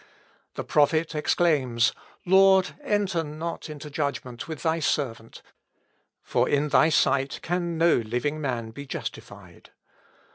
The prophet exclaims, 'Lord, enter not into judgment with thy servant; for in thy sight can no living man be justified.'